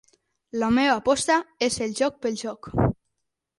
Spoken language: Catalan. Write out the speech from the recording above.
La meva aposta és el joc pel joc.